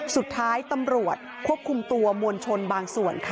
สุดท้ายตำรวจควบคุมตัวมวลชนบางส่วนค่ะ